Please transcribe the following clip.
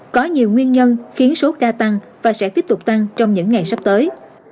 có nhiều nguyên nhân khiến số ca tăng và sẽ tiếp tục tăng trong những ngày sắp tới